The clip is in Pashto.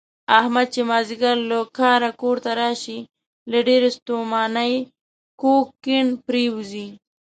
احمد چې مازدیګر له کاره کورته راشي، له ډېرې ستومانۍ کوږ کیڼ پرېوځي.